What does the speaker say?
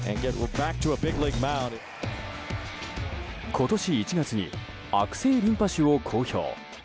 今年１月に悪性リンパ腫を公表。